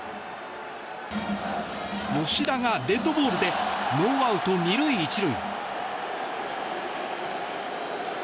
吉田がデッドボールでノーアウト２塁１塁。